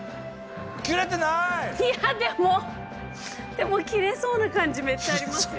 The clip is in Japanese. でも切れそうな感じめっちゃありますよ。